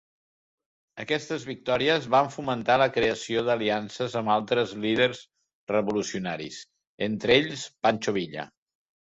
Aquestes victòries van fomentar la creació d'aliances amb altres líders revolucionaris, entre ells Pancho Villa.